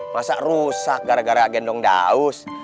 masa rusak gara gara gendong daus